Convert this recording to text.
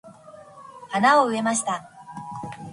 花を植えました。